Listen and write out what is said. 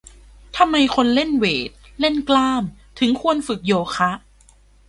ทำไมคนเล่นเวต เล่นกล้าม ถึงควรฝึกโยคะ